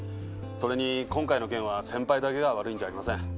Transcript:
それに今回の件は先輩だけが悪いんじゃありません。